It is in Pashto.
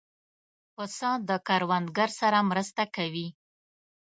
پسه د کروندګر سره مرسته کوي.